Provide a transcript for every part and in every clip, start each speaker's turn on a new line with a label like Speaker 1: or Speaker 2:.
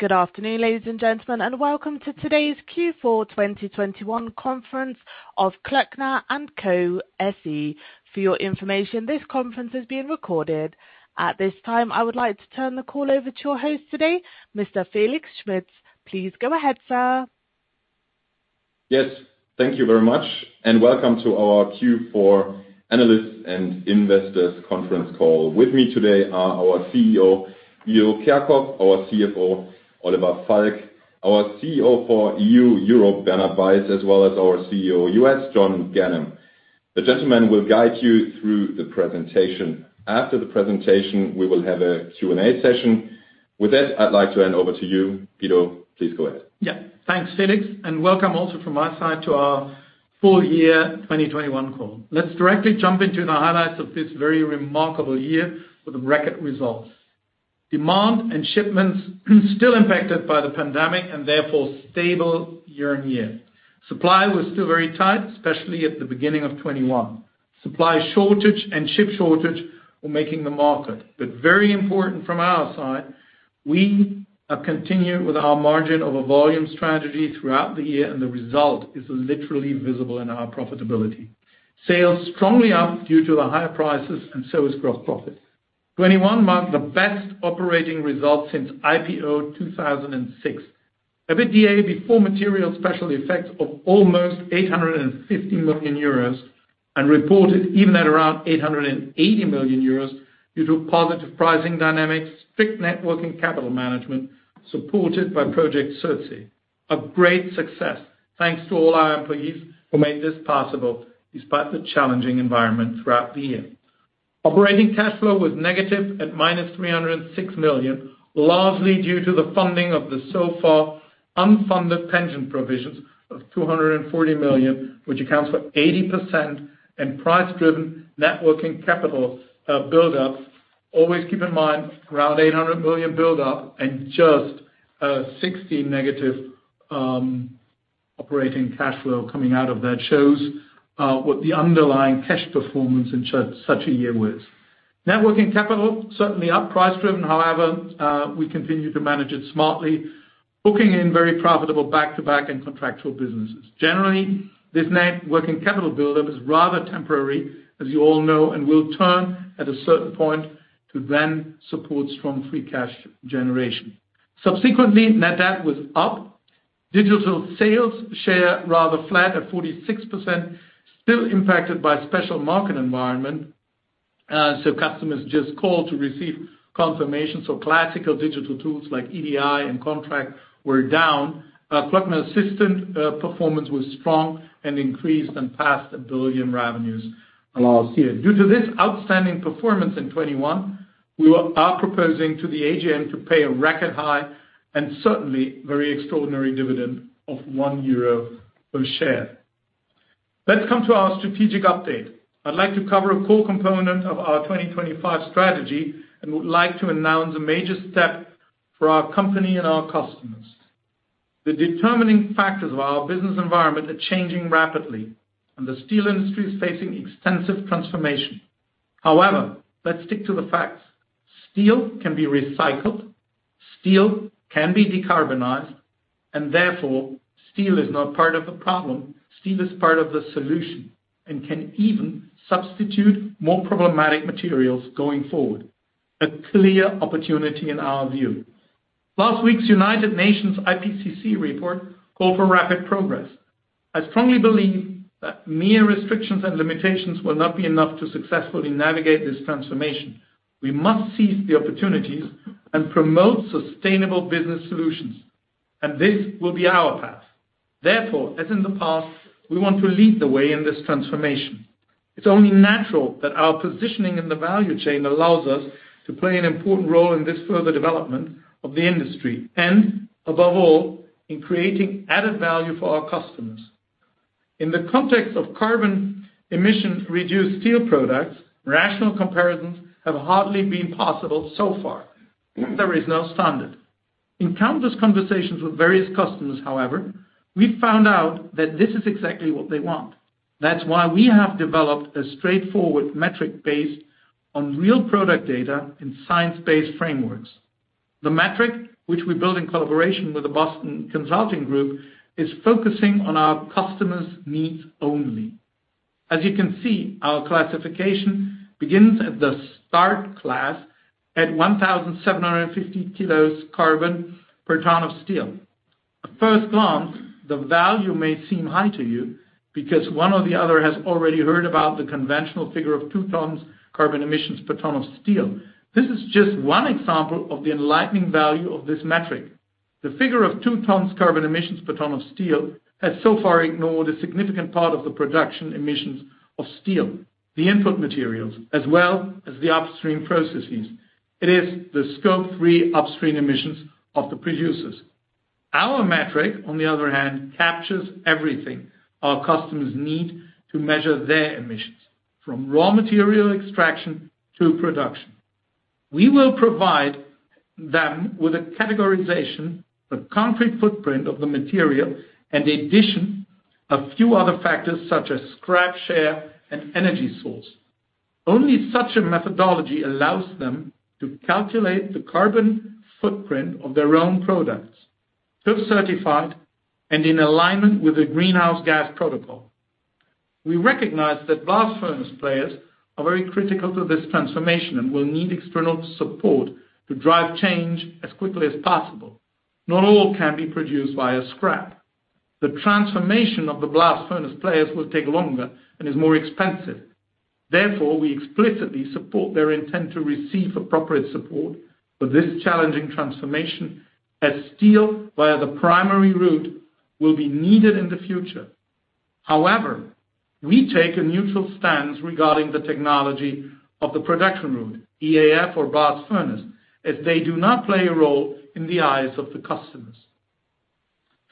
Speaker 1: Good afternoon, ladies and gentlemen, and welcome to today's Q4 2021 conference of Klöckner & Co. SE. For your information, this conference is being recorded. At this time, I would like to turn the call over to your host today, Mr. Felix Schmitz. Please go ahead, sir.
Speaker 2: Yes, thank you very much, and welcome to our Q4 Analysts and Investors Conference call. With me today are our CEO, Guido Kerkhoff, our CFO, Oliver Falk, our CEO for EU, Europe, Bernhard Weiß, as well as our CEO, US, John Ganem. The gentlemen will guide you through the presentation. After the presentation, we will have a Q&A session. With that, I'd like to hand over to you, Guido. Please go ahead.
Speaker 3: Yeah. Thanks, Felix, and welcome also from my side to our full year 2021 call. Let's directly jump into the highlights of this very remarkable year with the record results. Demand and shipments still impacted by the pandemic and therefore stable year-on-year. Supply was still very tight, especially at the beginning of 2021. Supply shortage and shipping shortage were making the market. Very important from our side, we have continued with our margin over volume strategy throughout the year, and the result is literally visible in our profitability. Sales strongly up due to the higher prices and so is gross profit. 2021 marked the best operating results since IPO 2006. EBITDA before material special effects of almost 850 million euros and reported even at around 880 million euros due to positive pricing dynamics, strict net working capital management, supported by Project Surtsey. A great success. Thanks to all our employees who made this possible despite the challenging environment throughout the year. Operating cash flow was negative at -306 million, largely due to the funding of the so far unfunded pension provisions of 240 million, which accounts for 80% and price-driven net working capital build-up. Always keep in mind, around 800 million build-up and just -60 operating cash flow coming out of that shows what the underlying cash performance in such a year was. Net working capital certainly up price-driven. However, we continue to manage it smartly, booking in very profitable back-to-back and contractual businesses. Generally, this net working capital build-up is rather temporary, as you all know, and will turn at a certain point to then support strong free cash generation. Subsequently, net debt was up. Digital sales share rather flat at 46%, still impacted by special market environment. Customers just called to receive confirmation. Classical digital tools like EDI and contract were down. Kloeckner Assistant performance was strong and increased and passed 1 billion revenues last year. Due to this outstanding performance in 2021, we are proposing to the AGM to pay a record high and certainly very extraordinary dividend of 1 euro per share. Let's come to our strategic update. I'd like to cover a core component of our 2025 strategy and would like to announce a major step for our company and our customers. The determining factors of our business environment are changing rapidly, and the steel industry is facing extensive transformation. However, let's stick to the facts. Steel can be recycled, steel can be decarbonized, and therefore, steel is not part of the problem. Steel is part of the solution and can even substitute more problematic materials going forward. A clear opportunity in our view. Last week's United Nations IPCC report called for rapid progress. I strongly believe that mere restrictions and limitations will not be enough to successfully navigate this transformation. We must seize the opportunities and promote sustainable business solutions, and this will be our path. Therefore, as in the past, we want to lead the way in this transformation. It's only natural that our positioning in the value chain allows us to play an important role in this further development of the industry, and above all, in creating added value for our customers. In the context of carbon emission reduced steel products, rational comparisons have hardly been possible so far. There is no standard. In countless conversations with various customers, however, we found out that this is exactly what they want. That's why we have developed a straightforward metric based on real product data and science-based frameworks. The metric, which we built in collaboration with the Boston Consulting Group, is focusing on our customers' needs only. As you can see, our classification begins at the start class at 1,750 kilos carbon per ton of steel. At first glance, the value may seem high to you because one or the other has already heard about the conventional figure of two tons carbon emissions per ton of steel. This is just one example of the enlightening value of this metric. The figure of two tons carbon emissions per ton of steel has so far ignored a significant part of the production emissions of steel, the input materials, as well as the upstream processes. It is the Scope 3 upstream emissions of the producers. Our metric, on the other hand, captures everything our customers need to measure their emissions, from raw material extraction to production. We will provide them with a categorization, the concrete footprint of the material, and in addition, a few other factors such as scrap share and energy source. Only such a methodology allows them to calculate the carbon footprint of their own products, third-party certified and in alignment with the Greenhouse Gas Protocol. We recognize that blast furnace players are very critical to this transformation and will need external support to drive change as quickly as possible. Not all can be produced via scrap. The transformation of the blast furnace players will take longer and is more expensive. Therefore, we explicitly support their intent to receive appropriate support for this challenging transformation, as steel via the primary route will be needed in the future. However, we take a neutral stance regarding the technology of the production route, EAF or blast furnace, as they do not play a role in the eyes of the customers.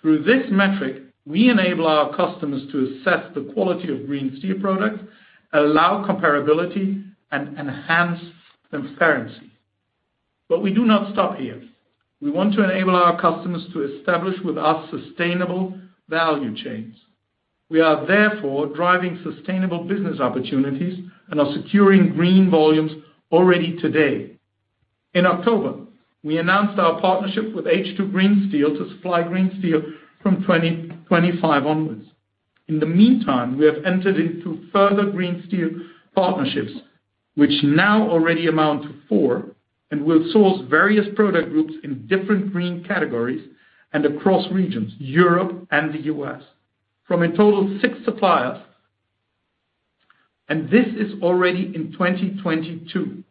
Speaker 3: Through this metric, we enable our customers to assess the quality of green steel products, allow comparability, and enhance transparency. We do not stop here. We want to enable our customers to establish with us sustainable value chains. We are therefore driving sustainable business opportunities and are securing green volumes already today. In October, we announced our partnership with H2 Green Steel to supply green steel from 2025 onwards. In the meantime, we have entered into further green steel partnerships, which now already amount to four and will source various product groups in different green categories and across regions, Europe and the U.S., from a total of six suppliers. This is already in 2022.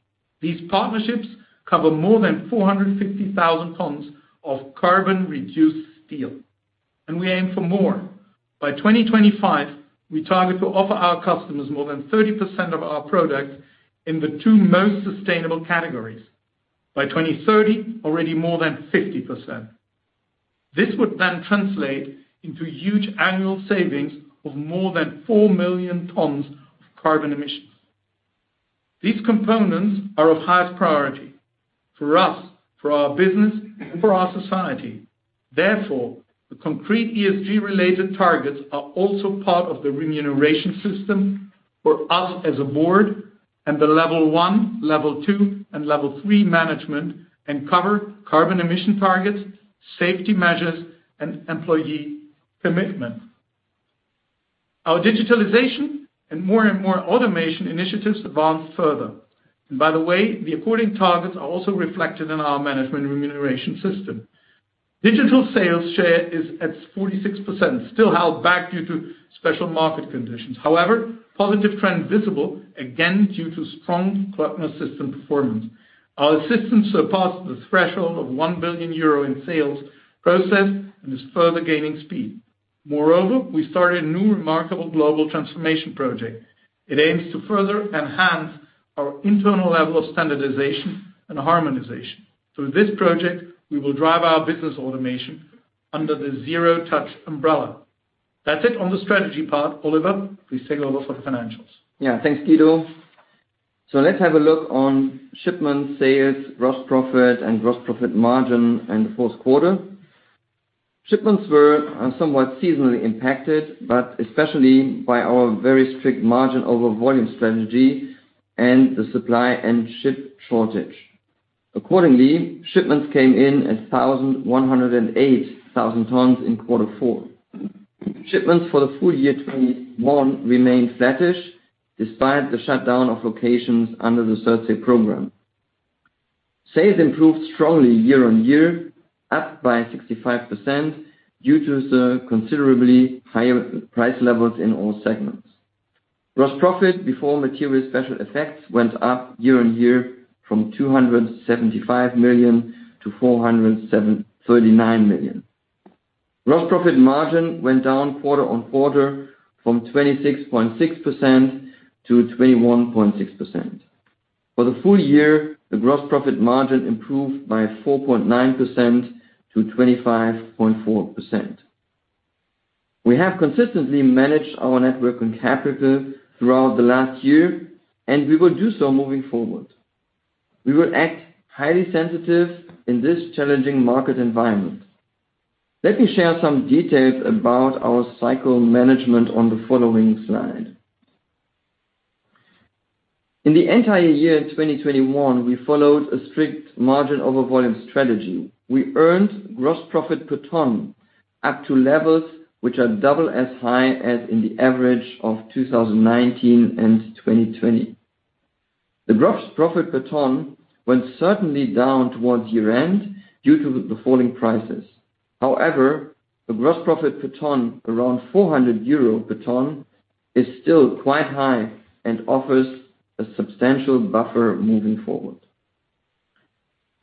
Speaker 3: These partnerships cover more than 450,000 tons of carbon-reduced steel, and we aim for more. By 2025, we target to offer our customers more than 30% of our products in the two most sustainable categories. By 2030, already more than 50%. This would then translate into huge annual savings of more than 4 million tons of carbon emissions. These components are of highest priority for us, for our business, and for our society. Therefore, the concrete ESG-related targets are also part of the remuneration system for us as a board and the level one, level two, and level three management, and cover carbon emission targets, safety measures, and employee commitment. Our digitalization and more and more automation initiatives advance further. By the way, the according targets are also reflected in our management remuneration system. Digital sales share is at 46%, still held back due to special market conditions. However, positive trend visible, again, due to strong customer system performance. Our system surpassed the threshold of 1 billion euro in sales process and is further gaining speed. Moreover, we started a new remarkable global transformation project. It aims to further enhance our internal level of standardization and harmonization. Through this project, we will drive our business automation under the zero-touch umbrella. That's it on the strategy part. Oliver, please take over for the financials.
Speaker 4: Thanks, Guido. Let's have a look at shipment sales, gross profit, and gross profit margin in the fourth quarter. Shipments were somewhat seasonally impacted, but especially by our very strict margin over volume strategy and the supply chain shortage. Accordingly, shipments came in at 1,108 thousand tons in quarter four. Shipments for the full year 2021 remained flattish despite the shutdown of locations under the Surtsey Program. Sales improved strongly year-on-year, up by 65% due to the considerably higher price levels in all segments. Gross profit before material special effects went up year-on-year from 275 million-479 million. Gross profit margin went down quarter-on-quarter from 26.6%-21.6%. For the full year, the gross profit margin improved by 4.9%-25.4%. We have consistently managed our net working capital throughout the last year, and we will do so moving forward. We will act highly sensitive in this challenging market environment. Let me share some details about our cycle management on the following slide. In the entire year, 2021, we followed a strict margin over volume strategy. We earned gross profit per ton up to levels which are double as high as in the average of 2019 and 2020. The gross profit per ton went certainly down towards year-end due to the falling prices. However, the gross profit per ton, around 400 euro per ton, is still quite high and offers a substantial buffer moving forward.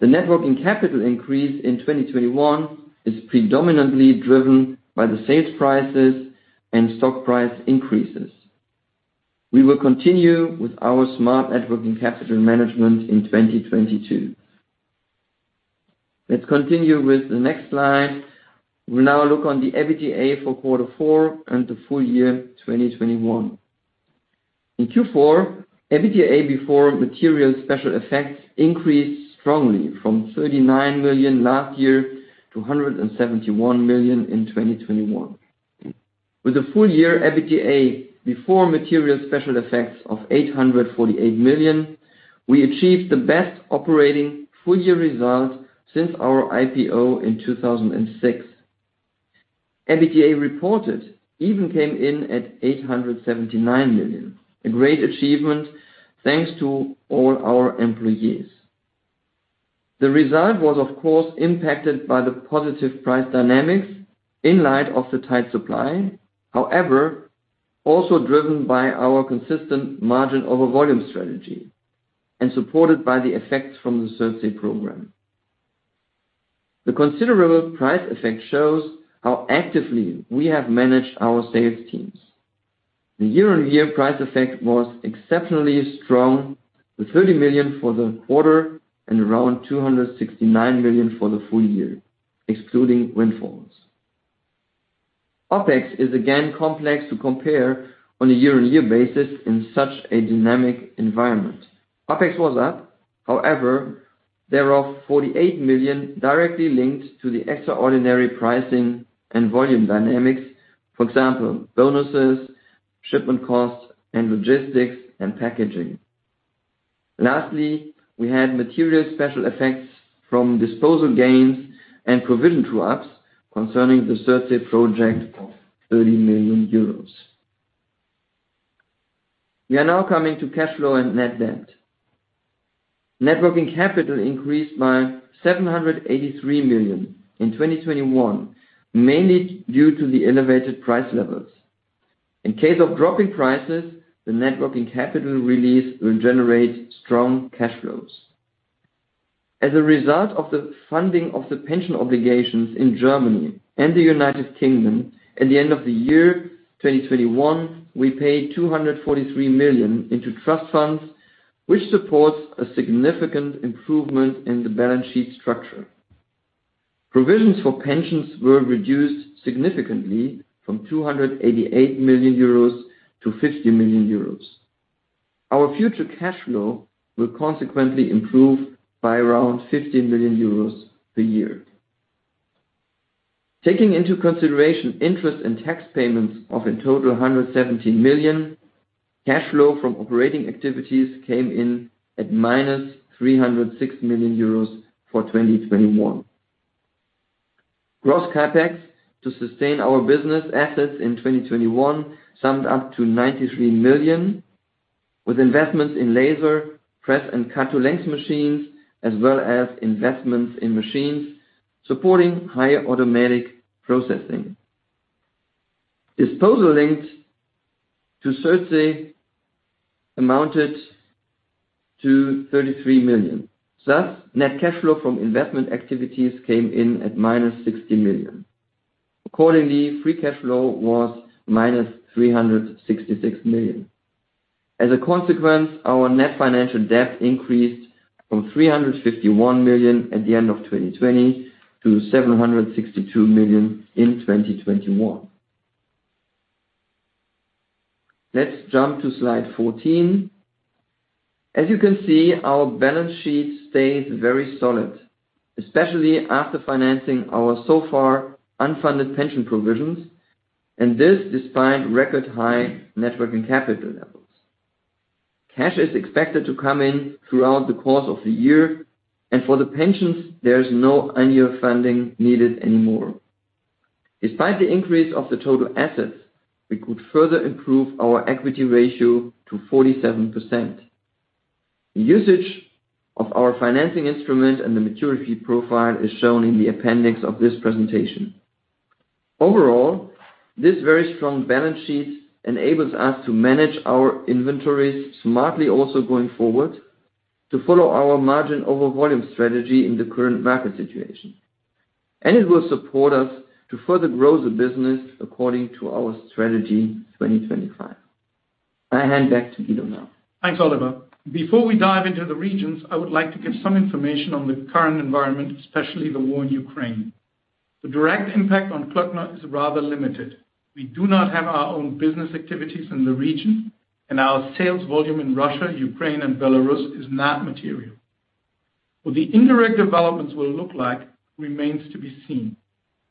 Speaker 4: The net working capital increase in 2021 is predominantly driven by the sales prices and stock price increases. We will continue with our smart net working capital management in 2022. Let's continue with the next slide. We now look on the EBITDA for Q4 and the full year 2021. In Q4, EBITDA before material special effects increased strongly from 39 million last year to 171 million in 2021. With a full year EBITDA before material special effects of 848 million, we achieved the best operating full year results since our IPO in 2006. EBITDA reported even came in at 879 million, a great achievement, thanks to all our employees. The result was, of course, impacted by the positive price dynamics in light of the tight supply. However, also driven by our consistent margin over volume strategy and supported by the effects from the Surtsey Program. The considerable price effect shows how actively we have managed our sales teams. The year-on-year price effect was exceptionally strong, with 30 million for the quarter and around 269 million for the full year, excluding windfalls. OpEx is again complex to compare on a year-on-year basis in such a dynamic environment. OpEx was up, however, thereof, 48 million directly linked to the extraordinary pricing and volume dynamics. For example, bonuses, shipment costs, and logistics and packaging. Lastly, we had material special effects from disposal gains and provision drops concerning the Surtsey project of 30 million euros. We are now coming to cash flow and net debt. Net working capital increased by 783 million in 2021, mainly due to the elevated price levels. In case of dropping prices, the net working capital release will generate strong cash flows. As a result of the funding of the pension obligations in Germany and the U.K., at the end of the year, 2021, we paid 243 million into trust funds, which supports a significant improvement in the balance sheet structure. Provisions for pensions were reduced significantly from 288 million euros to 50 million euros. Our future cash flow will consequently improve by around 50 million euros a year. Taking into consideration interest and tax payments of in total 117 million, cash flow from operating activities came in at -306 million euros for 2021. Gross CapEx to sustain our business assets in 2021 summed up to 93 million, with investments in laser, press and cut to length machines, as well as investments in machines supporting higher automatic processing. Disposal linked to CDA amounted to 33 million. Thus, net cash flow from investment activities came in at -60 million. Accordingly, free cash flow was -366 million. As a consequence, our net financial debt increased from 351 million at the end of 2020 to 762 million in 2021. Let's jump to slide 14. As you can see, our balance sheet stays very solid, especially after financing our so far unfunded pension provisions, and this despite record high net working capital levels. Cash is expected to come in throughout the course of the year, and for the pensions, there is no annual funding needed anymore. Despite the increase of the total assets, we could further improve our equity ratio to 47%. The usage of our financing instrument and the maturity profile is shown in the appendix of this presentation. Overall, this very strong balance sheet enables us to manage our inventories smartly also going forward to follow our margin over volume strategy in the current market situation. It will support us to further grow the business according to our strategy, 2025. I hand back to Guido now.
Speaker 3: Thanks, Oliver. Before we dive into the regions, I would like to give some information on the current environment, especially the war in Ukraine. The direct impact on Klöckner is rather limited. We do not have our own business activities in the region, and our sales volume in Russia, Ukraine, and Belarus is not material. What the indirect developments will look like remains to be seen.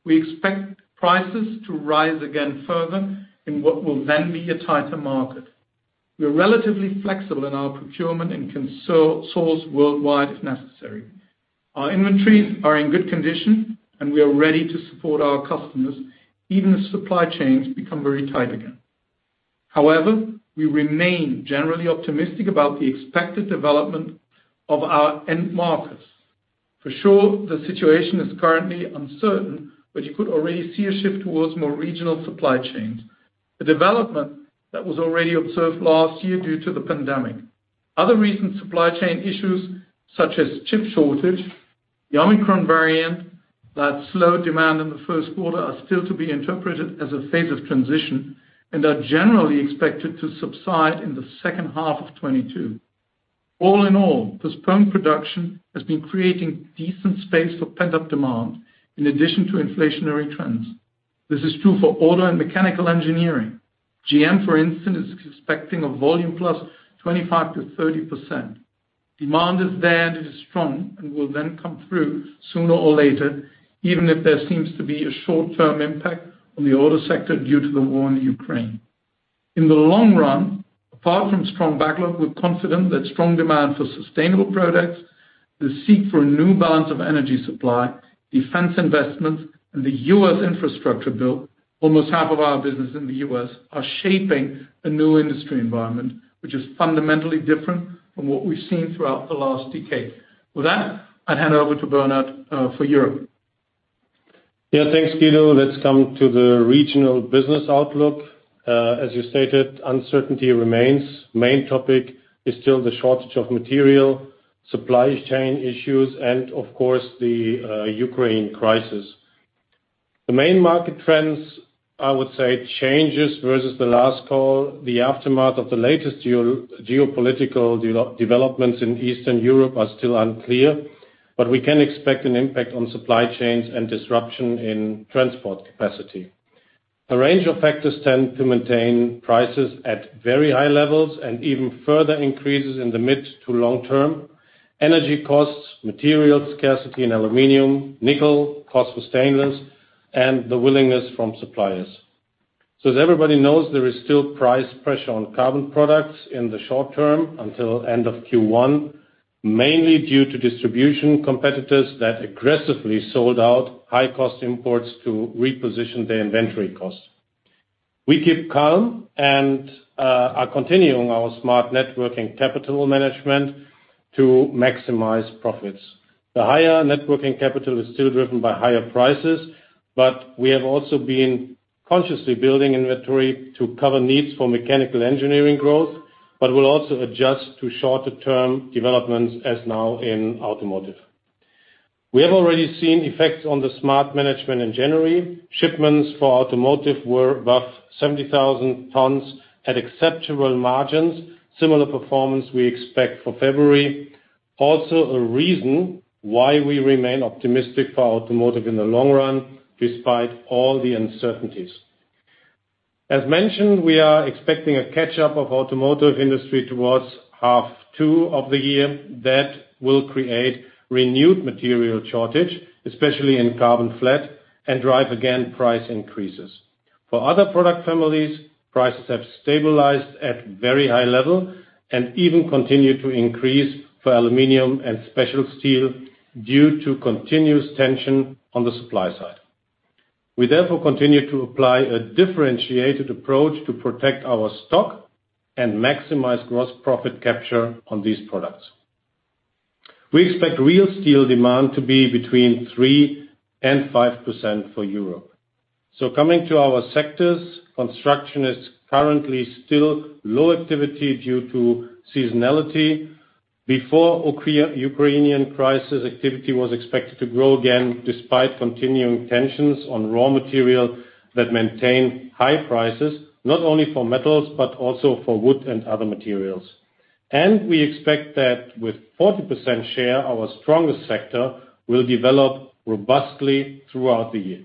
Speaker 3: We expect prices to rise again further in what will then be a tighter market. We are relatively flexible in our procurement and can source worldwide if necessary. Our inventories are in good condition, and we are ready to support our customers, even as supply chains become very tight again. However, we remain generally optimistic about the expected development of our end markets. For sure, the situation is currently uncertain, but you could already see a shift towards more regional supply chains, a development that was already observed last year due to the pandemic. Other recent supply chain issues, such as chip shortage, the Omicron variant that slowed demand in the first quarter, are still to be interpreted as a phase of transition and are generally expected to subside in the second half of 2022. All in all, postponed production has been creating decent space for pent-up demand in addition to inflationary trends. This is true for auto and mechanical engineering. GM, for instance, is expecting a volume plus 25%-30%. Demand is there and it is strong and will then come through sooner or later, even if there seems to be a short-term impact on the auto sector due to the war in Ukraine. In the long run, apart from strong backlog, we're confident that strong demand for sustainable products, the search for a new balance of energy supply, defense investments, and the U.S. infrastructure build, almost half of our business in the U.S., are shaping a new industry environment, which is fundamentally different from what we've seen throughout the last decade. With that, I hand over to Bernhard for Europe.
Speaker 5: Yeah, thanks, Guido. Let's come to the regional business outlook. As you stated, uncertainty remains. Main topic is still the shortage of material, supply chain issues, and of course, the Ukraine crisis. The main market trends, I would say, changes versus the last call. The aftermath of the latest geopolitical developments in Eastern Europe are still unclear, but we can expect an impact on supply chains and disruption in transport capacity. A range of factors tend to maintain prices at very high levels and even further increases in the mid to long term. Energy costs, material scarcity in aluminum, nickel, cost for stainless, and the willingness from suppliers. As everybody knows, there is still price pressure on carbon products in the short term until end of Q1, mainly due to distribution competitors that aggressively sold out high-cost imports to reposition their inventory cost. We keep calm and are continuing our smart working capital management to maximize profits. The higher working capital is still driven by higher prices, but we have also been consciously building inventory to cover needs for mechanical engineering growth, but will also adjust to shorter-term developments as now in automotive. We have already seen effects on the smart management in January. Shipments for automotive were above 70,000 tons at acceptable margins. Similar performance we expect for February. Also, a reason why we remain optimistic for automotive in the long run, despite all the uncertainties. As mentioned, we are expecting a catch-up of automotive industry towards H2 of the year that will create renewed material shortage, especially in carbon flat, and drive again price increases. For other product families, prices have stabilized at very high level and even continue to increase for aluminum and special steel due to continuous tension on the supply side. We therefore continue to apply a differentiated approach to protect our stock and maximize gross profit capture on these products. We expect real steel demand to be between 3% and 5% for Europe. Coming to our sectors, construction is currently still low activity due to seasonality. Before Russo-Ukrainian crisis, activity was expected to grow again despite continuing tensions on raw material that maintain high prices, not only for metals, but also for wood and other materials. We expect that with 40% share, our strongest sector will develop robustly throughout the year.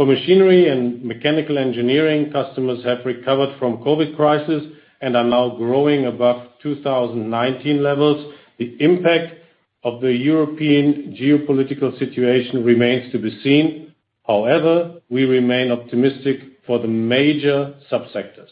Speaker 5: For machinery and mechanical engineering, customers have recovered from COVID crisis and are now growing above 2019 levels. The impact of the European geopolitical situation remains to be seen. However, we remain optimistic for the major subsectors.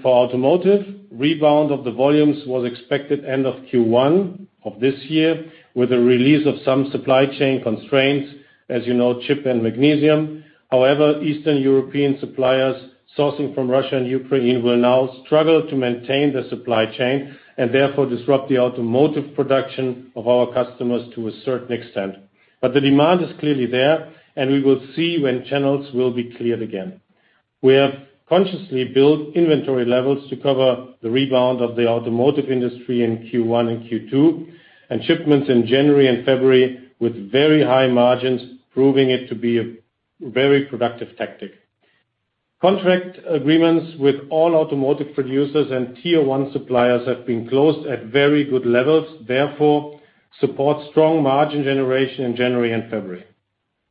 Speaker 5: For automotive, rebound of the volumes was expected end of Q1 of this year, with the release of some supply chain constraints, as you know, chip and magnesium. However, Eastern European suppliers sourcing from Russia and Ukraine will now struggle to maintain the supply chain and therefore disrupt the automotive production of our customers to a certain extent. The demand is clearly there, and we will see when channels will be cleared again. We have consciously built inventory levels to cover the rebound of the automotive industry in Q1 and Q2, and shipments in January and February with very high margins, proving it to be a very productive tactic. Contract agreements with all automotive producers and tier one suppliers have been closed at very good levels, therefore support strong margin generation in January and February.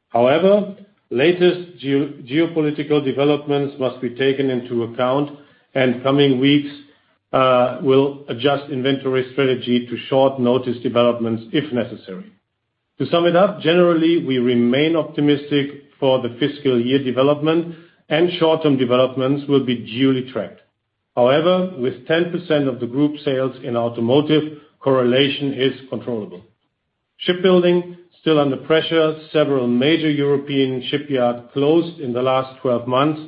Speaker 5: However, latest geopolitical developments must be taken into account, and coming weeks, we'll adjust inventory strategy to short-notice developments, if necessary. To sum it up, generally, we remain optimistic for the fiscal year development, and short-term developments will be duly tracked. However, with 10% of the group sales in automotive, correlation is controllable. Shipbuilding still under pressure. Several major European shipyards closed in the last 12 months.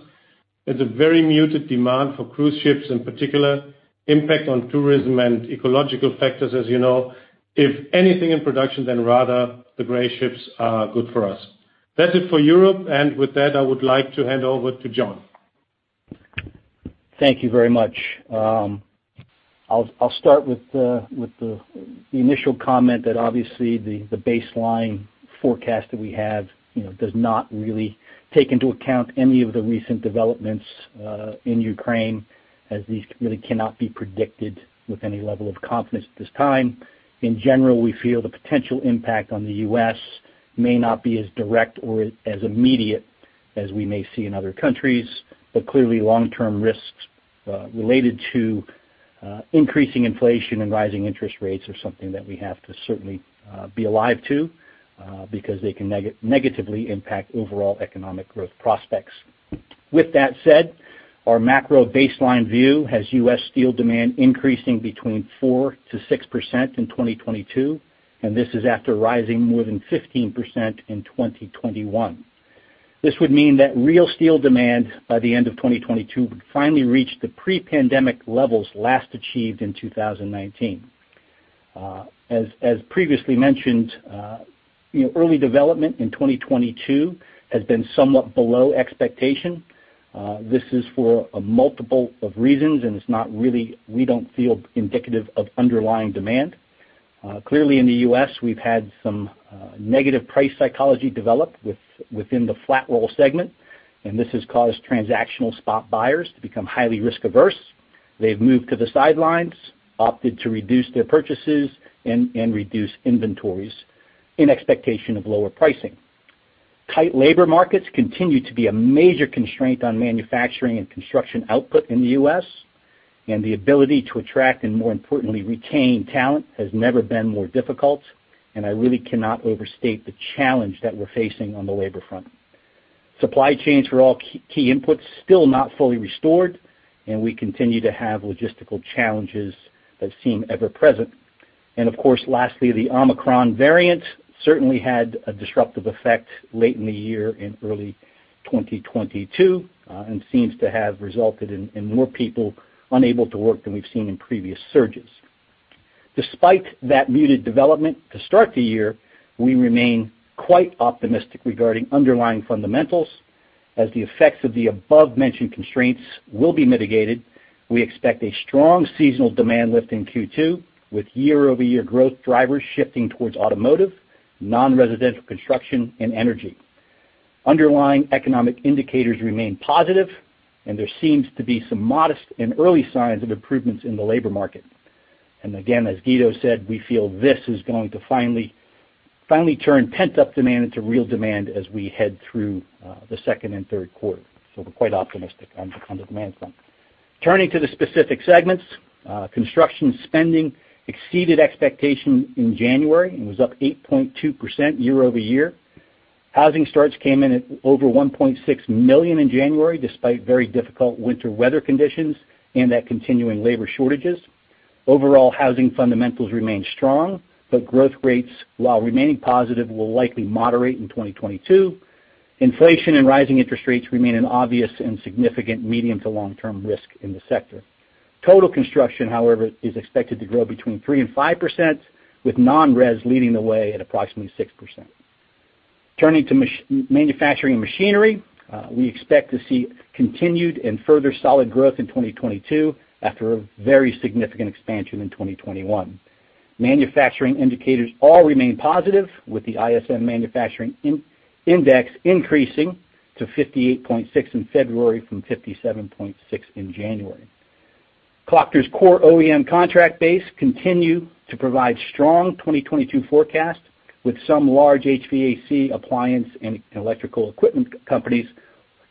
Speaker 5: There's a very muted demand for cruise ships, in particular, impact on tourism and ecological factors, as you know. If anything in production, then rather the gray ships are good for us. That's it for Europe. With that, I would like to hand over to John.
Speaker 6: Thank you very much. I'll start with the initial comment that obviously the baseline forecast that we have, you know, does not really take into account any of the recent developments in Ukraine as these really cannot be predicted with any level of confidence at this time. In general, we feel the potential impact on the U.S. may not be as direct or as immediate as we may see in other countries. Clearly, long-term risks related to increasing inflation and rising interest rates are something that we have to certainly be alive to because they can negatively impact overall economic growth prospects. With that said, our macro baseline view has U.S. steel demand increasing between 4%-6% in 2022, and this is after rising more than 15% in 2021. This would mean that real steel demand by the end of 2022 would finally reach the pre-pandemic levels last achieved in 2019. As previously mentioned, you know, early development in 2022 has been somewhat below expectation. This is for a multiple of reasons, and it's not really, we don't feel indicative of underlying demand. Clearly in the U.S., we've had some negative price psychology develop within the flat roll segment, and this has caused transactional spot buyers to become highly risk-averse. They've moved to the sidelines, opted to reduce their purchases and reduce inventories in expectation of lower pricing. Tight labor markets continue to be a major constraint on manufacturing and construction output in the U.S., and the ability to attract and, more importantly, retain talent has never been more difficult, and I really cannot overstate the challenge that we're facing on the labor front. Supply chains for all key inputs still not fully restored, and we continue to have logistical challenges that seem ever present. Of course, lastly, the Omicron variant certainly had a disruptive effect late in the year and in early 2022, and seems to have resulted in more people unable to work than we've seen in previous surges. Despite that muted development to start the year, we remain quite optimistic regarding underlying fundamentals. As the effects of the above-mentioned constraints will be mitigated, we expect a strong seasonal demand lift in Q2 with year-over-year growth drivers shifting towards automotive, non-residential construction and energy. Underlying economic indicators remain positive, and there seems to be some modest and early signs of improvements in the labor market. Again, as Guido said, we feel this is going to finally turn pent-up demand into real demand as we head through the second and third quarter. We're quite optimistic on the demand front. Turning to the specific segments, construction spending exceeded expectations in January and was up 8.2% year-over-year. Housing starts came in at over 1.6 million in January, despite very difficult winter weather conditions and that continuing labor shortages. Overall, housing fundamentals remain strong, but growth rates, while remaining positive, will likely moderate in 2022. Inflation and rising interest rates remain an obvious and significant medium to long-term risk in the sector. Total construction, however, is expected to grow between 3%-5%, with non-res leading the way at approximately 6%. Turning to manufacturing and machinery, we expect to see continued and further solid growth in 2022 after a very significant expansion in 2021. Manufacturing indicators all remain positive, with the ISM Manufacturing Index increasing to 58.6 in February from 57.6 in January. Klöckner's core OEM contract base continue to provide strong 2022 forecasts, with some large HVAC appliance and electrical equipment companies,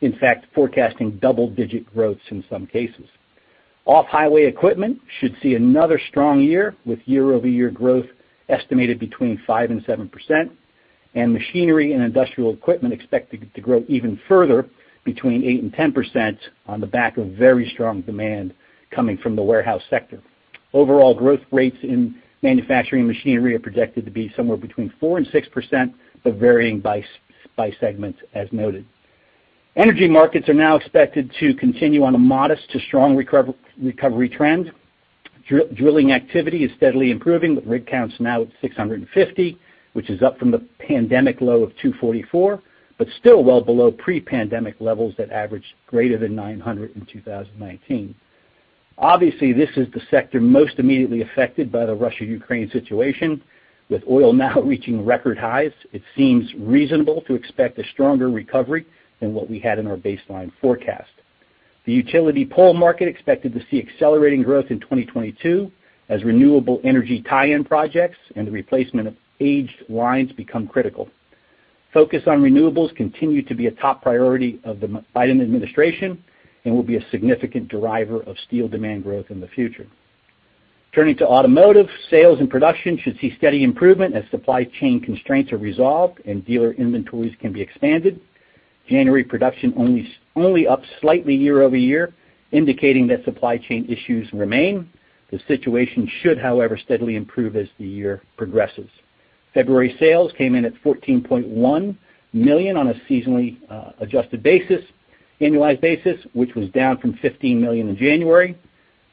Speaker 6: in fact, forecasting double-digit growth in some cases. Off-highway equipment should see another strong year, with year-over-year growth estimated between 5% and 7%, and machinery and industrial equipment expected to grow even further, between 8% and 10% on the back of very strong demand coming from the warehouse sector. Overall growth rates in manufacturing machinery are projected to be somewhere between 4% and 6%, but varying by segment, as noted. Energy markets are now expected to continue on a modest to strong recovery trend. Drilling activity is steadily improving, with rig counts now at 650, which is up from the pandemic low of 244, but still well below pre-pandemic levels that averaged greater than 900 in 2019. Obviously, this is the sector most immediately affected by the Russia-Ukraine situation. With oil now reaching record highs, it seems reasonable to expect a stronger recovery than what we had in our baseline forecast. The utility pole market expected to see accelerating growth in 2022 as renewable energy tie-in projects and the replacement of aged lines become critical. Focus on renewables continue to be a top priority of the Biden administration and will be a significant driver of steel demand growth in the future. Turning to automotive, sales and production should see steady improvement as supply chain constraints are resolved and dealer inventories can be expanded. January production only up slightly year over year, indicating that supply chain issues remain. The situation should, however, steadily improve as the year progresses. February sales came in at 14.1 million on a seasonally adjusted basis, annualized basis, which was down from 15 million in January.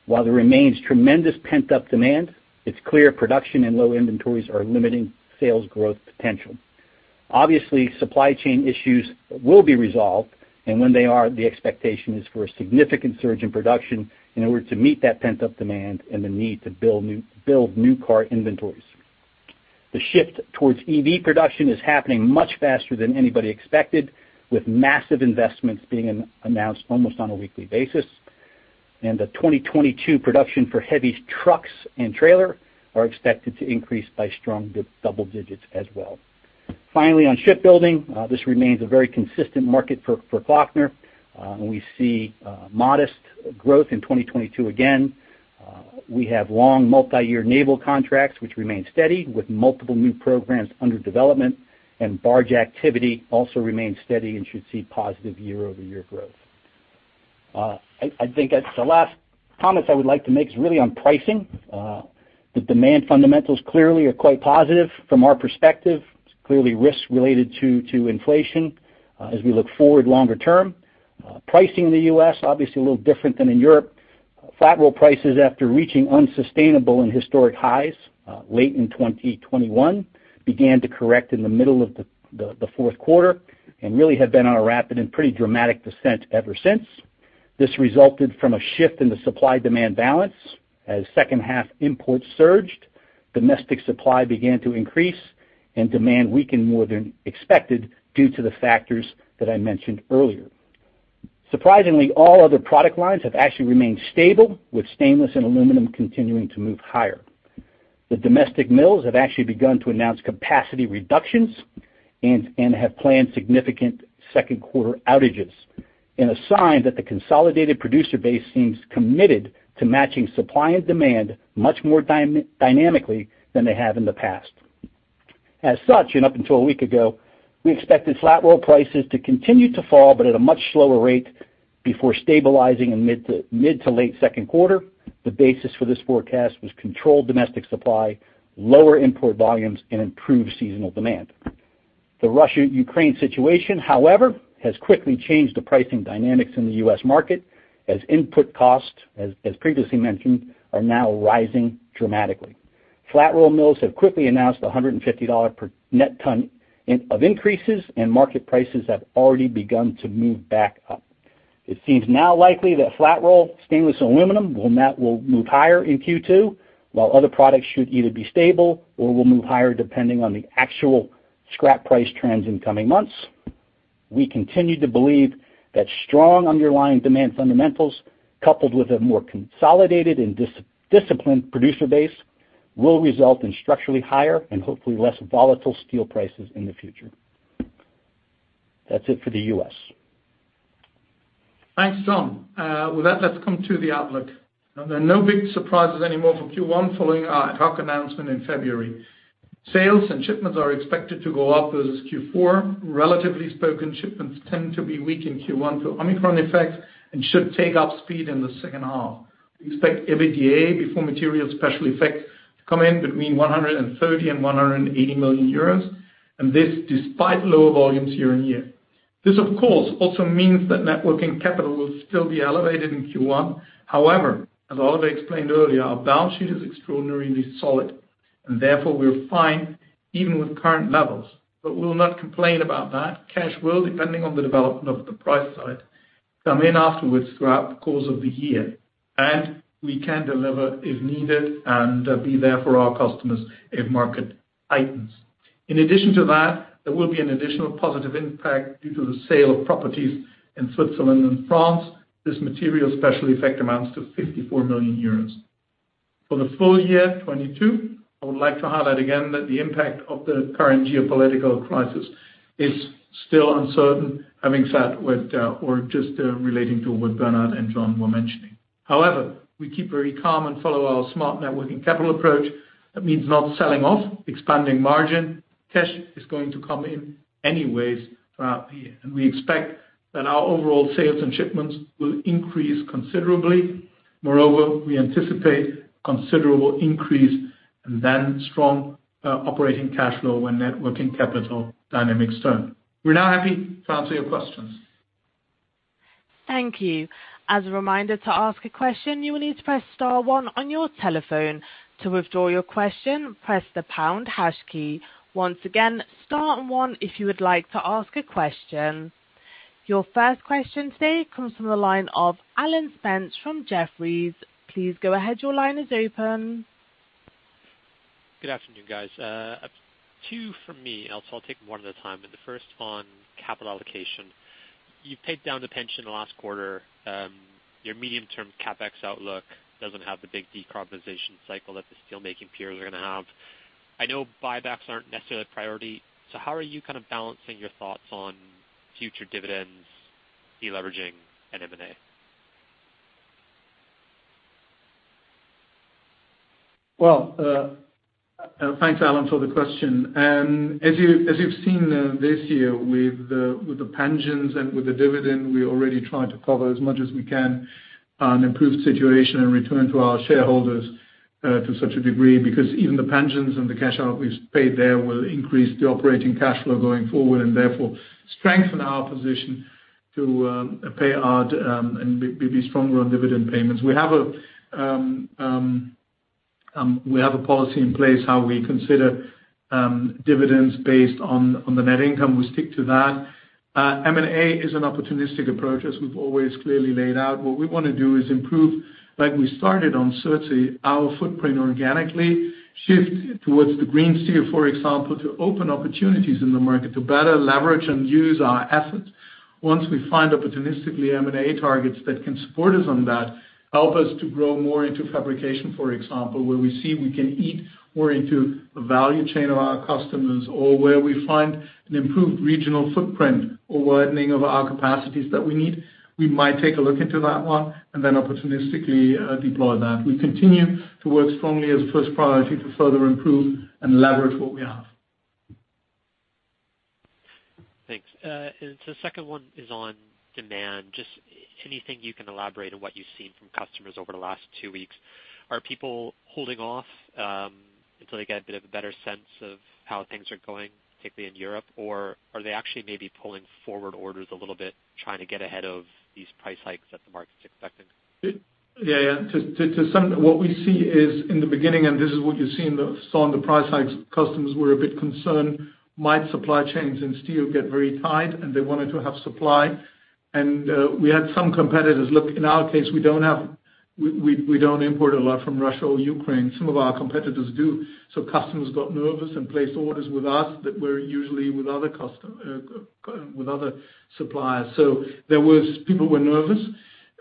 Speaker 6: While there remains tremendous pent-up demand, it's clear production and low inventories are limiting sales growth potential. Obviously, supply chain issues will be resolved, and when they are, the expectation is for a significant surge in production in order to meet that pent-up demand and the need to build new car inventories. The shift towards EV production is happening much faster than anybody expected, with massive investments being announced almost on a weekly basis. The 2022 production for heavy trucks and trailers are expected to increase by strong double digits as well. Finally, on shipbuilding, this remains a very consistent market for Klöckner. We see modest growth in 2022 again. We have long multi-year naval contracts which remain steady with multiple new programs under development, and barge activity also remains steady and should see positive year-over-year growth. I think that's the last comments I would like to make is really on pricing. The demand fundamentals clearly are quite positive from our perspective. It's clearly risks related to inflation as we look forward longer term. Pricing in the U.S., obviously a little different than in Europe. Flat roll prices after reaching unsustainable and historic highs late in 2021 began to correct in the middle of the fourth quarter, and really have been on a rapid and pretty dramatic descent ever since. This resulted from a shift in the supply-demand balance as second half imports surged, domestic supply began to increase, and demand weakened more than expected due to the factors that I mentioned earlier. Surprisingly, all other product lines have actually remained stable, with stainless and aluminum continuing to move higher. The domestic mills have actually begun to announce capacity reductions and have planned significant second quarter outages in a sign that the consolidated producer base seems committed to matching supply and demand much more dynamically than they have in the past. As such, and up until a week ago, we expected flat roll prices to continue to fall, but at a much slower rate before stabilizing in mid- to late second quarter. The basis for this forecast was controlled domestic supply, lower import volumes, and improved seasonal demand. The Russia-Ukraine situation, however, has quickly changed the pricing dynamics in the U.S. market as input costs, as previously mentioned, are now rising dramatically. Flat roll mills have quickly announced $150 per net ton increases and market prices have already begun to move back up. It seems now likely that flat roll, stainless, and aluminum will move higher in Q2, while other products should either be stable or will move higher depending on the actual scrap price trends in coming months. We continue to believe that strong underlying demand fundamentals, coupled with a more consolidated and disciplined producer base, will result in structurally higher and hopefully less volatile steel prices in the future. That's it for the U.S.
Speaker 3: Thanks, John. With that, let's come to the outlook. Now, there are no big surprises anymore for Q1 following our ad hoc announcement in February. Sales and shipments are expected to go up versus Q4. Relatively speaking, shipments tend to be weak in Q1 due to Omicron effects and should pick up speed in the second half. We expect EBITDA before material special effects to come in between 130 million and 180 million euros, and this despite lower volumes year-over-year. This, of course, also means that net working capital will still be elevated in Q1. However, as Oliver explained earlier, our balance sheet is extraordinarily solid, and therefore we are fine even with current levels. We will not complain about that. Cash will, depending on the development of the price side, come in afterwards throughout the course of the year, and we can deliver if needed and be there for our customers if market tightens. In addition to that, there will be an additional positive impact due to the sale of properties in Switzerland and France. This material special effect amounts to 54 million euros. For the full year 2022, I would like to highlight again that the impact of the current geopolitical crisis is still uncertain, relating to what Bernhard and John were mentioning. However, we keep very calm and follow our smart net working capital approach. That means not selling off, expanding margin. Cash is going to come in anyways throughout the year, and we expect that our overall sales and shipments will increase considerably. Moreover, we anticipate considerable increase and then strong operating cash flow when net working capital dynamics turn. We're now happy to answer your questions.
Speaker 1: Thank you. As a reminder to ask a question, you will need to press star one on your telephone. To withdraw your question, press the pound hash key. Once again, star and one if you would like to ask a question. Your first question today comes from the line of Alan Spence from Jefferies. Please go ahead, your line is open.
Speaker 7: Good afternoon, guys. Two from me. I'll take one at a time, the first on capital allocation. You paid down the pension last quarter. Your medium-term CapEx outlook doesn't have the big decarbonization cycle that the steel making peers are gonna have. I know buybacks aren't necessarily a priority. How are you kind of balancing your thoughts on future dividends, deleveraging, and M&A?
Speaker 3: Well, thanks, Alan, for the question. As you've seen, this year with the pensions and with the dividend, we already tried to cover as much as we can, an improved situation and return to our shareholders, to such a degree because even the pensions and the cash out we've paid there will increase the operating cash flow going forward, and therefore strengthen our position to pay out and be stronger on dividend payments. We have a policy in place how we consider dividends based on the net income. We stick to that. M&A is an opportunistic approach, as we've always clearly laid out. What we wanna do is improve, like we started on Surtsey, our footprint organically, shift towards the green steel, for example, to open opportunities in the market to better leverage and use our assets. Once we find opportunistically M&A targets that can support us on that, help us to grow more into fabrication, for example, where we see we can eat more into the value chain of our customers or where we find an improved regional footprint or widening of our capacities that we need, we might take a look into that one and then opportunistically, deploy that. We continue to work strongly as a first priority to further improve and leverage what we have.
Speaker 7: Thanks. The second one is on demand. Just anything you can elaborate on what you've seen from customers over the last two weeks. Are people holding off until they get a bit of a better sense of how things are going, particularly in Europe, or are they actually maybe pulling forward orders a little bit, trying to get ahead of these price hikes that the market's expecting?
Speaker 3: What we see is in the beginning, and this is what you see in the price hikes. Customers were a bit concerned that supply chains and steel might get very tight, and they wanted to have supply. We had some competitors. In our case, we don't import a lot from Russia or Ukraine. Some of our competitors do. Customers got nervous and placed orders with us that were usually with other suppliers. People were nervous,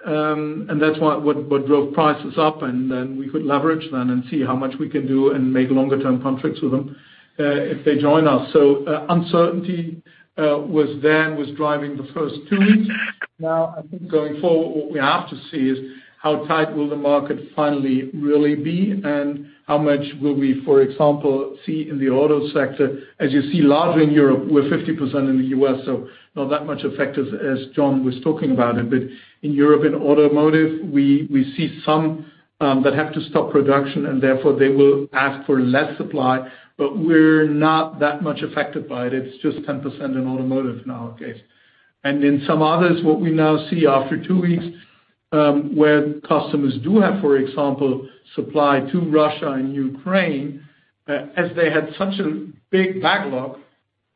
Speaker 3: and that's what drove prices up, and then we could leverage that and see how much we can do and make longer-term contracts with them if they join us. Uncertainty was driving the first two weeks. Now, I think going forward, what we have to see is how tight will the market finally really be and how much will we, for example, see in the auto sector. As you see, larger in Europe, we're 50% in the U.S., so not that much affected as John was talking about it. In Europe, in automotive, we see some that have to stop production, and therefore they will ask for less supply. We're not that much affected by it. It's just 10% in automotive in our case. In some others, what we now see after two weeks, where customers do have, for example, supply to Russia and Ukraine, as they had such a big backlog,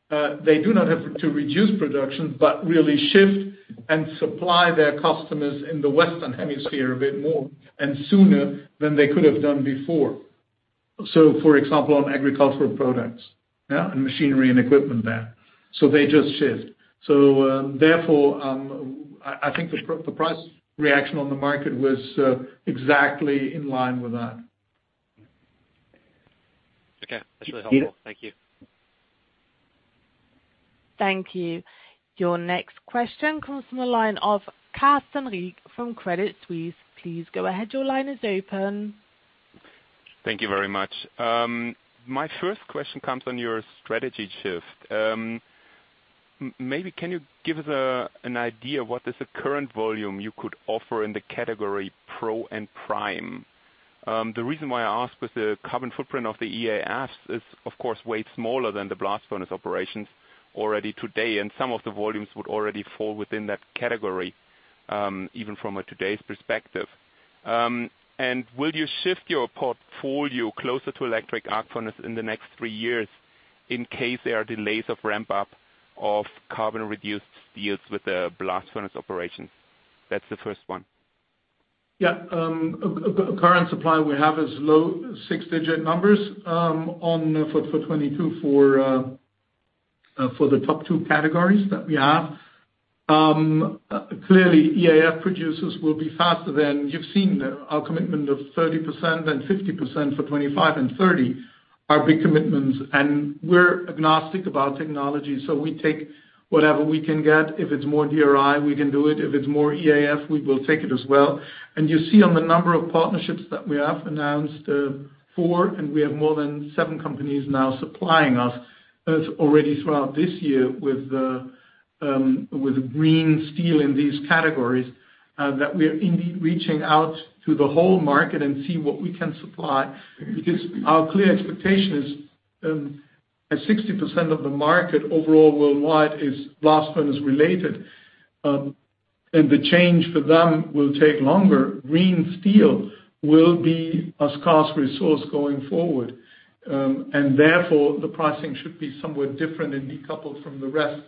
Speaker 3: they do not have to reduce production, but really shift and supply their customers in the Western Hemisphere a bit more and sooner than they could have done before. For example, on agricultural products, yeah, and machinery and equipment there. They just shift. Therefore, I think the price reaction on the market was exactly in line with that.
Speaker 7: Okay. That's really helpful. Thank you.
Speaker 1: Thank you. Your next question comes from the line of Carsten Riek from Credit Suisse. Please go ahead. Your line is open.
Speaker 8: Thank you very much. My first question comes on your strategy shift. Maybe can you give us an idea what is the current volume you could offer in the category pro and prime? The reason why I ask was the carbon footprint of the EAFs is of course way smaller than the blast furnace operations already today, and some of the volumes would already fall within that category, even from a today's perspective. Will you shift your portfolio closer to electric arc furnace in the next three years in case there are delays of ramp up of carbon reduced steels with the blast furnace operations? That's the first one.
Speaker 3: Yeah. Current supply we have is low six-digit numbers for 2022 for the top two categories that we have. Clearly, EAF producers will be faster than you've seen. Our commitment of 30% and 50% for 2025 and 2030 are big commitments. We're agnostic about technology, so we take whatever we can get. If it's more DRI, we can do it. If it's more EAF, we will take it as well. You see on the number of partnerships that we have announced, four, and we have more than seven companies now supplying us already throughout this year with the green steel in these categories that we are indeed reaching out to the whole market and see what we can supply. Because our clear expectation is, as 60% of the market overall worldwide is blast furnace related, and the change for them will take longer, green steel will be a scarce resource going forward. Therefore the pricing should be somewhat different and decoupled from the rest.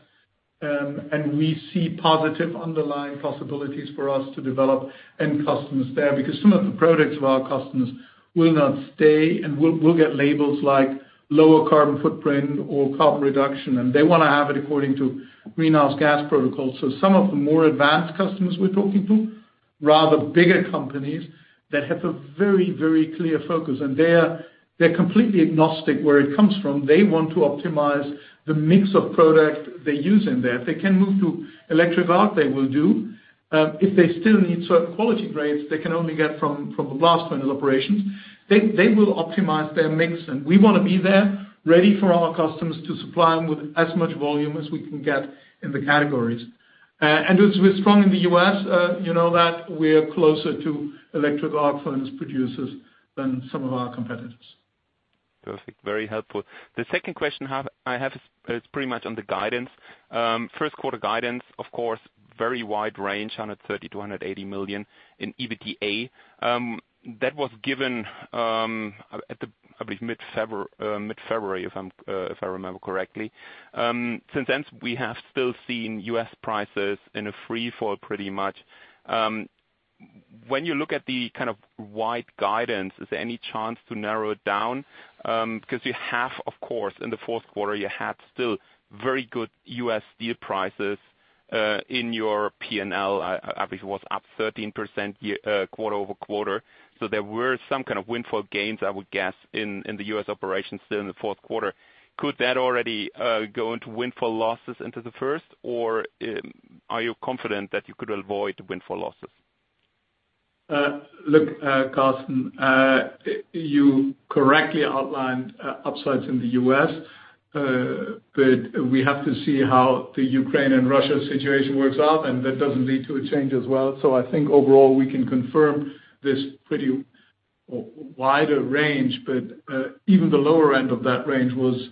Speaker 3: We see positive underlying possibilities for us to develop end customers there, because some of the products of our customers will not stay, and will get labels like lower carbon footprint or carbon reduction. They wanna have it according to Greenhouse Gas Protocol. Some of the more advanced customers we're talking to, rather bigger companies that have a very, very clear focus, and they're completely agnostic where it comes from. They want to optimize the mix of product they use in there. If they can move to electric arc, they will do. If they still need certain quality grades they can only get from the blast furnace operations, they will optimize their mix. We wanna be there ready for our customers to supply them with as much volume as we can get in the categories. As we're strong in the U.S., you know that we are closer to electric arc furnace producers than some of our competitors.
Speaker 8: Perfect. Very helpful. The second question I have is pretty much on the guidance. First quarter guidance, of course, very wide range, 130 million-180 million in EBITDA. That was given at the, I believe, mid-February, if I remember correctly. Since then we have still seen U.S. prices in a free fall pretty much. When you look at the kind of wide guidance, is there any chance to narrow it down? 'Cause you have, of course, in the fourth quarter, you had still very good U.S. steel prices in your P&L. I believe it was up 13% quarter-over-quarter. There were some kind of windfall gains, I would guess, in the U.S. operations there in the fourth quarter. Could that already go into windfall losses into the first, or are you confident that you could avoid windfall losses?
Speaker 3: Look, Carsten, you correctly outlined upsides in the U.S., but we have to see how the Ukraine and Russia situation works out, and that doesn't lead to a change as well. I think overall we can confirm this pretty wider range, but even the lower end of that range was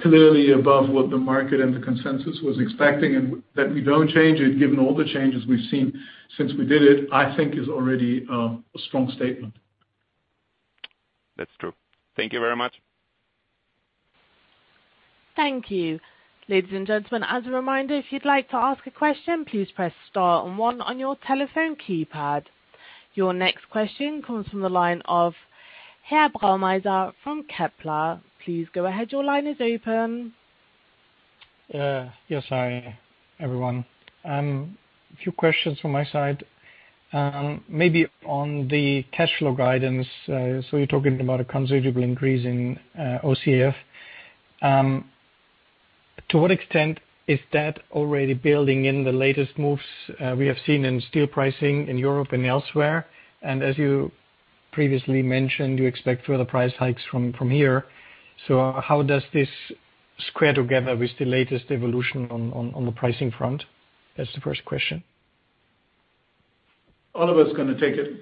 Speaker 3: clearly above what the market and the consensus was expecting, and that we don't change it, given all the changes we've seen since we did it, I think is already a strong statement.
Speaker 8: That's true. Thank you very much.
Speaker 1: Thank you. Ladies and gentlemen, as a reminder, if you'd like to ask a question, please press star and one on your telephone keypad. Your next question comes from the line of Rochus Brauneiser from Kepler. Please go ahead. Your line is open.
Speaker 9: Yes, hi, everyone. A few questions from my side. Maybe on the cash flow guidance. You're talking about a considerable increase in OCF. To what extent is that already building in the latest moves we have seen in steel pricing in Europe and elsewhere? As you previously mentioned, you expect further price hikes from here. How does this square together with the latest evolution on the pricing front? That's the first question.
Speaker 3: Oliver's gonna take it.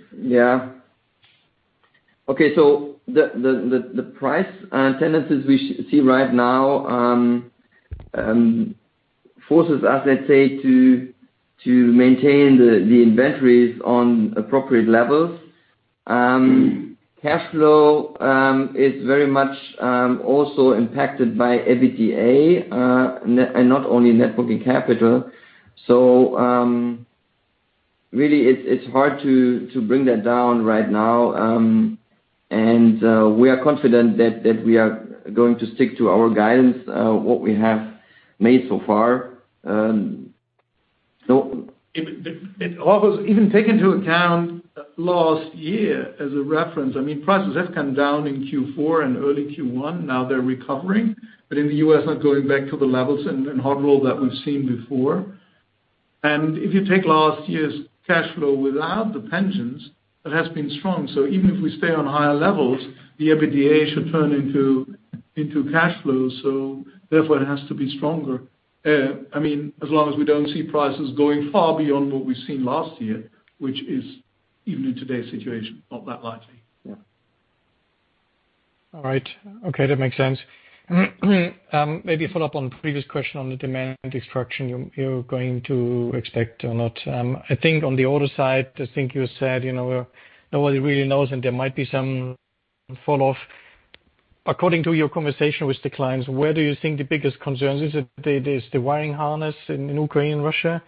Speaker 4: The price tendencies we see right now forces us, let's say, to maintain the inventories on appropriate levels. Cash flow is very much also impacted by EBITDA and not only net working capital. Really it's hard to bring that down right now, and we are confident that we are going to stick to our guidance what we have made so far.
Speaker 3: It doesn't even take into account last year as a reference. I mean, prices have come down in Q4 and early Q1. Now they're recovering. In the U.S., not going back to the levels in hot-rolled that we've seen before. If you take last year's cash flow without the pensions, it has been strong. Even if we stay on higher levels, the EBITDA should turn into cash flows, so therefore it has to be stronger. I mean, as long as we don't see prices going far beyond what we've seen last year, which is even in today's situation, not that likely.
Speaker 4: Yeah.
Speaker 9: All right. Okay. That makes sense. Maybe follow up on previous question on the demand destruction you're going to expect or not. I think on the order side, I think you said, you know, nobody really knows, and there might be some falloff. According to your conversation with the clients, where do you think the biggest concerns is? Is it the wiring harness in Ukraine and Russia,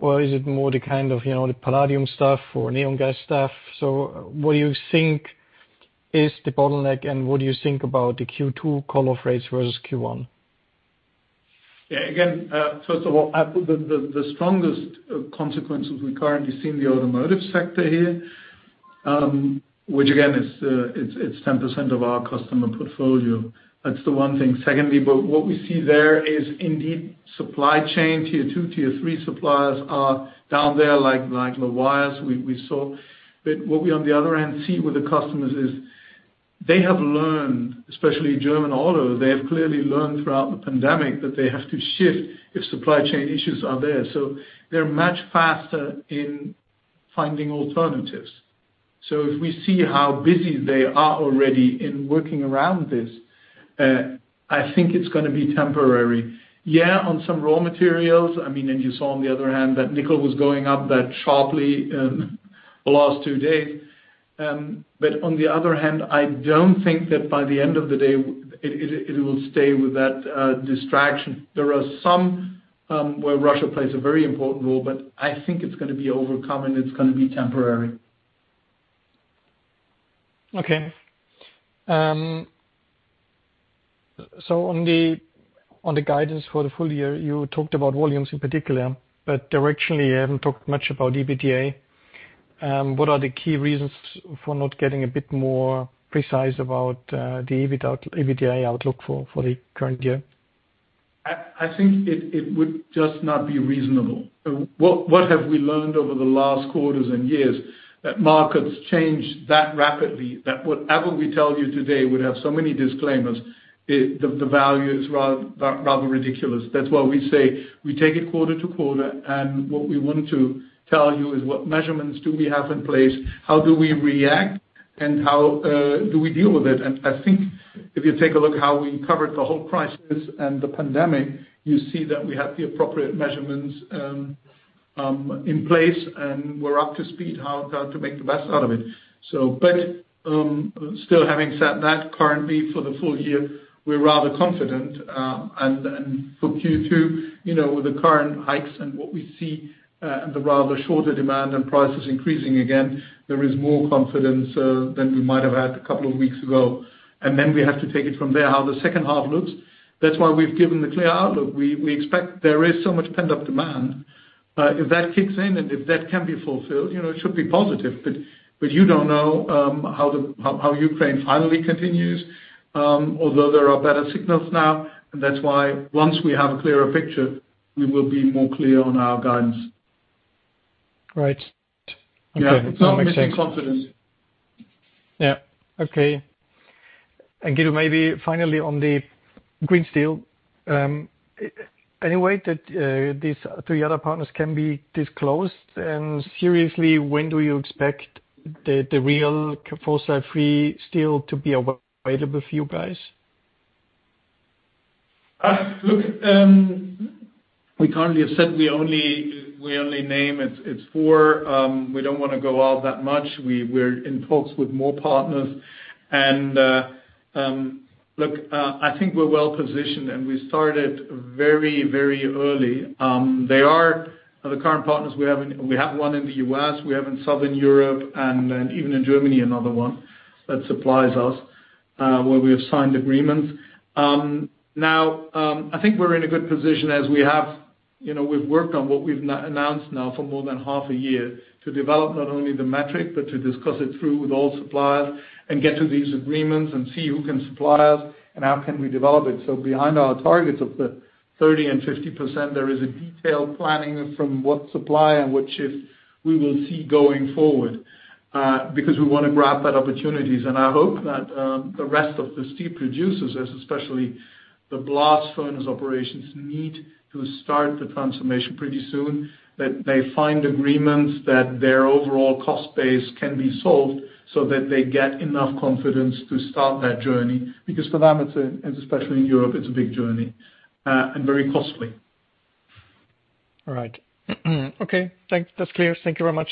Speaker 9: or is it more the kind of, you know, the palladium stuff or neon gas stuff? What do you think is the bottleneck, and what do you think about the Q2 call rates versus Q1?
Speaker 3: Yeah. Again, first of all, I put the strongest consequences we currently see in the automotive sector here, which again is it's 10% of our customer portfolio. That's the one thing. Secondly, what we see there is indeed supply chain, tier two, tier three suppliers are down there like the wires we saw. What we on the other end see with the customers is they have learned, especially German auto, they have clearly learned throughout the pandemic that they have to shift if supply chain issues are there. They're much faster in finding alternatives. If we see how busy they are already in working around this, I think it's gonna be temporary. Yeah, on some raw materials, I mean, and you saw on the other hand that nickel was going up that sharply, the last two days. On the other hand, I don't think that by the end of the day it will stay with that distraction. There are some where Russia plays a very important role, but I think it's gonna be overcome, and it's gonna be temporary.
Speaker 9: Okay. On the guidance for the full year, you talked about volumes in particular, but directionally you haven't talked much about EBITDA. What are the key reasons for not getting a bit more precise about the EBITDA outlook for the current year?
Speaker 3: I think it would just not be reasonable. What have we learned over the last quarters and years? That markets change that rapidly, that whatever we tell you today would have so many disclaimers. The value is rather ridiculous. That's why we say we take it quarter to quarter, and what we want to tell you is what measurements do we have in place, how do we react? How do we deal with it? I think if you take a look how we covered the whole crisis and the pandemic, you see that we have the appropriate measurements in place, and we're up to speed how to make the best out of it. Still having said that, currently for the full year, we're rather confident. For Q2, you know, with the current hikes and what we see, and the rather softer demand and prices increasing again, there is more confidence than we might have had a couple of weeks ago. We have to take it from there, how the second half looks. That's why we've given the clear outlook. We expect there is so much pent-up demand, if that kicks in and if that can be fulfilled, you know, it should be positive. You don't know how Ukraine finally continues, although there are better signals now. That's why once we have a clearer picture, we will be more clear on our guidance.
Speaker 9: Right. Okay. That makes sense.
Speaker 3: Yeah. It's not missing confidence.
Speaker 9: Yeah. Okay. Guido, maybe finally on the green steel, any way that these three other partners can be disclosed? Seriously, when do you expect the real fossil-free steel to be available for you guys?
Speaker 3: Look, we currently have said we only name it's four. We don't wanna go out that much. We're in talks with more partners. I think we're well positioned, and we started very, very early. They are the current partners we have. We have one in the U.S., we have in Southern Europe, and then even in Germany, another one that supplies us, where we have signed agreements. I think we're in a good position as we have. You know, we've worked on what we've announced now for more than half a year to develop not only the metric but to discuss it through with all suppliers and get to these agreements and see who can supply us and how can we develop it. Behind our targets of the 30% and 50%, there is a detailed planning from what supply and what shift we will see going forward, because we wanna grab that opportunities. I hope that the rest of the steel producers, especially the blast furnace operations, need to start the transformation pretty soon, that they find agreements that their overall cost base can be solved so that they get enough confidence to start that journey. Because for them, especially in Europe, it's a big journey and very costly.
Speaker 9: All right. Okay, thanks. That's clear. Thank you very much.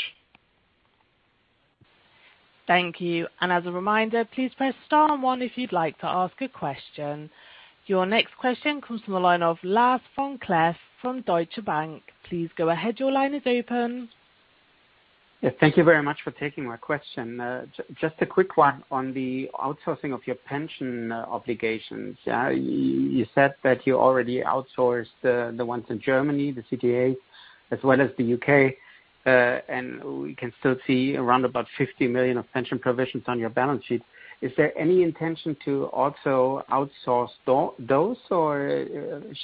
Speaker 1: Thank you. As a reminder, please press star and one if you'd like to ask a question. Your next question comes from the line of Lars Vom Cleff from Deutsche Bank. Please go ahead. Your line is open.
Speaker 10: Yeah. Thank you very much for taking my question. Just a quick one on the outsourcing of your pension obligations. You said that you already outsourced the ones in Germany, the CDA, as well as the U.K. And we can still see around about 50 million of pension provisions on your balance sheet. Is there any intention to also outsource those? Or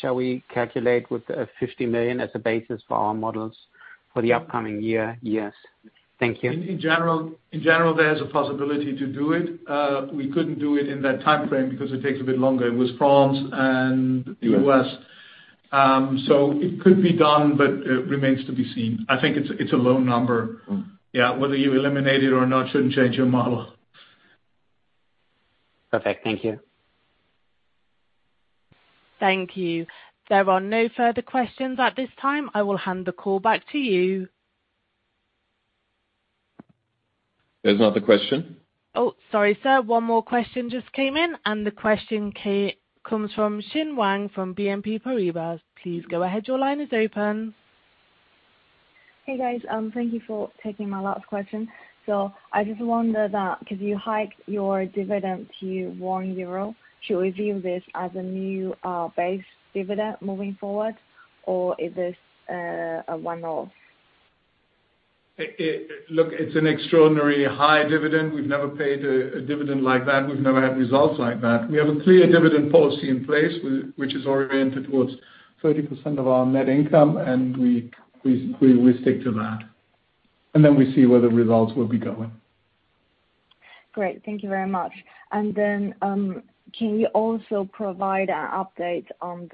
Speaker 10: shall we calculate with 50 million as a basis for our models for the upcoming years? Thank you.
Speaker 3: In general, there's a possibility to do it. We couldn't do it in that timeframe because it takes a bit longer. It was France and the U.S. It could be done, but it remains to be seen. I think it's a low number.
Speaker 10: Mm-hmm.
Speaker 3: Yeah. Whether you eliminate it or not shouldn't change your model.
Speaker 10: Perfect. Thank you.
Speaker 1: Thank you. There are no further questions at this time. I will hand the call back to you.
Speaker 3: There's another question?
Speaker 1: Oh, sorry, sir. One more question just came in, and the question comes from Xin Wang from BNP Paribas. Please go ahead. Your line is open.
Speaker 11: Hey, guys. Thank you for taking my last question. I just wonder that because you hiked your dividend to 1 euro, should we view this as a new base dividend moving forward, or is this a one-off?
Speaker 3: Look, it's an extraordinarily high dividend. We've never paid a dividend like that. We've never had results like that. We have a clear dividend policy in place which is oriented towards 30% of our net income, and we stick to that. We see where the results will be going.
Speaker 11: Great. Thank you very much. Can you also provide an update on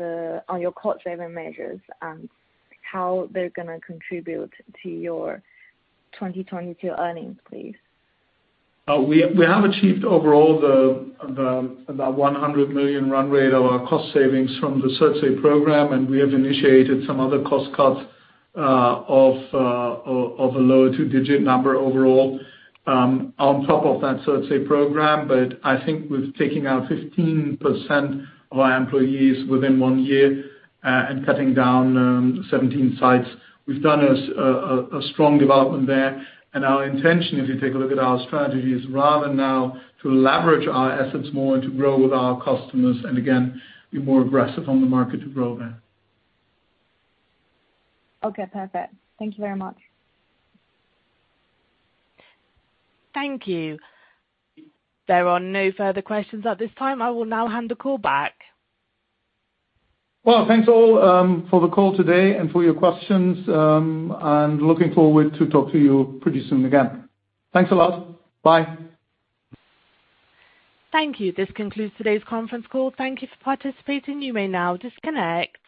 Speaker 11: your cost-saving measures and how they're gonna contribute to your 2022 earnings, please?
Speaker 3: We have achieved overall about 100 million run rate of our cost savings from the Surtsey Program, and we have initiated some other cost cuts of a lower two-digit number overall on top of that Surtsey Program. I think with taking out 15% of our employees within one year and cutting down 17 sites, we've done a strong development there. Our intention, if you take a look at our strategy, is rather now to leverage our assets more and to grow with our customers and again, be more aggressive on the market to grow there.
Speaker 11: Okay, perfect. Thank you very much.
Speaker 1: Thank you. There are no further questions at this time. I will now hand the call back.
Speaker 3: Well, thanks all, for the call today and for your questions. I'm looking forward to talk to you pretty soon again. Thanks a lot. Bye.
Speaker 1: Thank you. This concludes today's conference call. Thank you for participating. You may now disconnect.